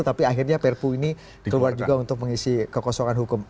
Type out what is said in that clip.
tapi akhirnya perpu ini keluar juga untuk mengisi kekosongan hukum